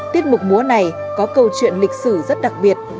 tiết mục múa này có câu chuyện lịch sử rất đặc biệt